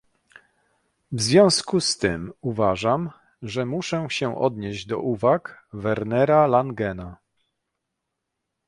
W związku z tym uważam, że muszę się odnieść do uwag Wernera Langena